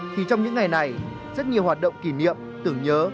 thì trong những ngày này rất nhiều hoạt động kỷ niệm tưởng nhớ